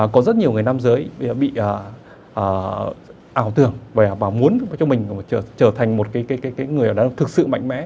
có rất nhiều người nam giới bị ảo tưởng và muốn cho mình trở thành một cái người đàn ông thực sự mạnh mẽ